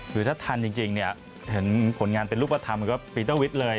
คือถ้าทันจริงเนี่ยเห็นผลงานเป็นรูปธรรมก็ปีเตอร์วิทย์เลย